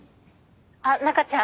あっ中ちゃん？